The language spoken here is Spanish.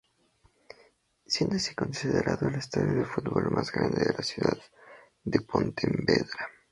Siendo así considerado el estadio de futbol más grande de la ciudad de Pontevedra.